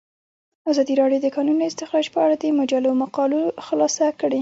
ازادي راډیو د د کانونو استخراج په اړه د مجلو مقالو خلاصه کړې.